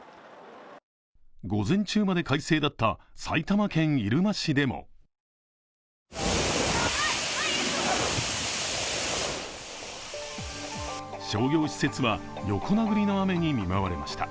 午前中でも快晴だった埼玉県入間市でも商業施設は横殴りの雨に見舞われました。